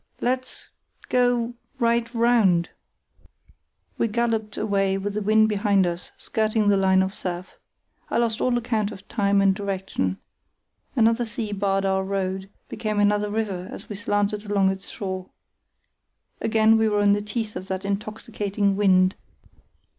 Let's—go—right—round." We galloped away with the wind behind us, skirting the line of surf. I lost all account of time and direction. Another sea barred our road, became another river as we slanted along its shore. Again we were in the teeth of that intoxicating wind.